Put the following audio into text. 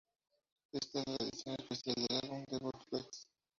Este es la edición especial del álbum debut de Flex.